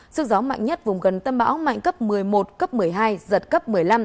sự gió mạnh nhất vùng gần tâm bão mạnh cấp một mươi một giật cấp một mươi năm